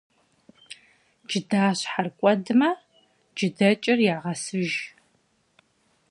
Cıdaşher k'uedme, cıdeç'ır yağesıjj.